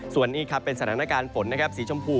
ส่วนนี้เป็นสถานการณ์ฝนสีชมพู